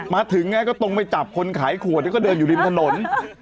มาถึงก็ตรงไปจับคนขายขวดแล้วก็เดินอยู่ริมถนน